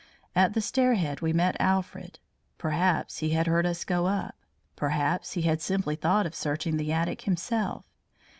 At the stair head we met Alfred. Perhaps he had heard us go up, perhaps he had simply thought of searching the attic himself.